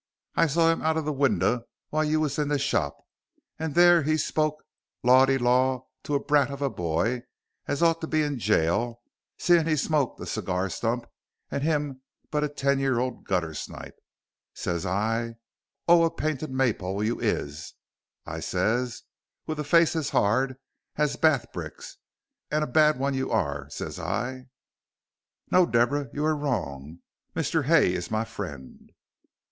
I sawr him out of the winder while you was in the shop, and there he spoke law de daw to a brat of a boy as ought to be in gaol, seeing he smoked a cigar stump an' him but a ten year old guttersnipe. Ses I, oh, a painted maypole you is, I ses, with a face as hard as bath bricks. A bad un you are, ses I." "No, Deborah, you are wrong. Mr. Hay is my friend."